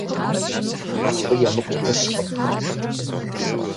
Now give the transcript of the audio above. Абы емыкӀу пылъкъым.